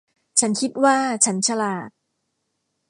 ฉันคิดว่าฉันฉลาด